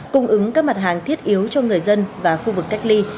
cung ứng các mặt hàng thiết yếu cho người dân và khu vực cách ly